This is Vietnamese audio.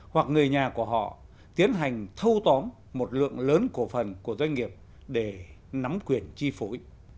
hoặc người nhà của họ tiến hành thâu tóm một lượng lớn cổ phần của doanh nghiệp để nắm quyền chi phối